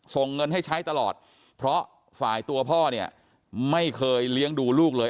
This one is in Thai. ส่งเงินให้ใช้ตลอดเพราะฝ่ายตัวพ่อเนี่ยไม่เคยเลี้ยงดูลูกเลย